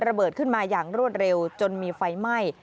ระเบิดขึ้นมาอย่างรวดเร็วจนมีไฟไหม้